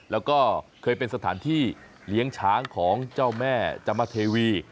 แล้วก็เคยเป็นสถานที่เลี้ยงช้างของเจ้าแม่จมเทวี